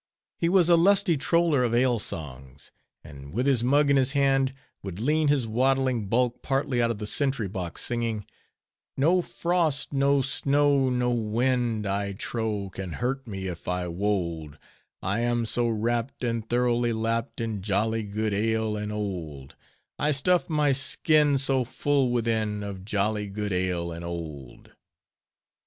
He was a lusty troller of ale songs; and, with his mug in his hand, would lean his waddling bulk partly out of the sentry box, singing: "No frost, no snow, no wind, I trow, Can hurt me if I wold, I am so wrapt, and thoroughly lapt In jolly good ale and old,— I stuff my skin so full within, Of jolly good ale and old."